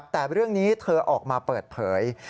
แต่เรื่องนี้เธอออกมาเปิดเผย